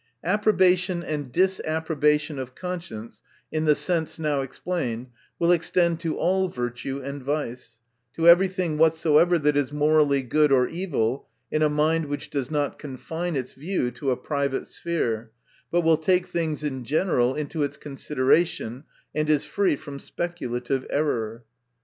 Approbation and disapprobation of conscience, in the sense now explained, will extend to all virtue and vice ; to every thing whatsoever that is morally good or evil, in a mind which does not confine its view to a private sphere, but will take things in general into its consideration, and is free from speculative error.